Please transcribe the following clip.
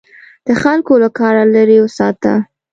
د خلکو له کاره لیرې وساته.